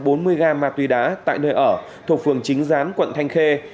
tuấn đã mua bán hai trăm bốn mươi gram ma túy đá tại nơi ở thuộc phường chính gián quận thanh khê